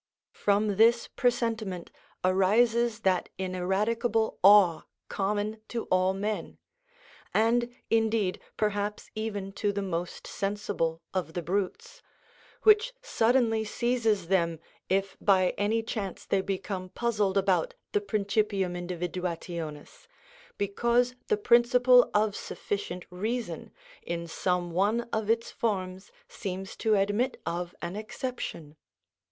From this presentiment arises that ineradicable awe common to all men (and indeed perhaps even to the most sensible of the brutes) which suddenly seizes them if by any chance they become puzzled about the principium individuationis, because the principle of sufficient reason in some one of its forms seems to admit of an exception.